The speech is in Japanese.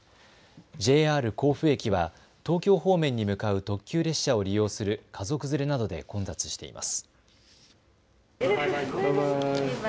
ＪＲ甲府駅は東京方面に向かう特急列車を利用する家族連れなどで混雑しています。